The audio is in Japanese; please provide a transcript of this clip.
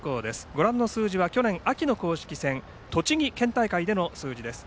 ご覧の数字は、去年秋の公式戦栃木県大会での数字です。